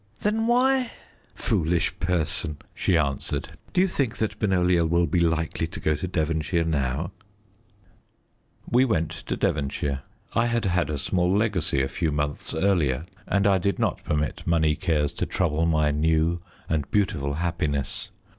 "Then why " "Foolish person," she answered. "Do you think that Benoliel will be likely to go to Devonshire now?" We went to Devonshire I had had a small legacy a few months earlier, and I did not permit money cares to trouble my new and beautiful happiness.